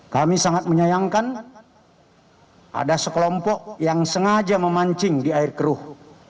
kami sangat menyayangkan ada sekelompok yang sengaja memancing di air keruh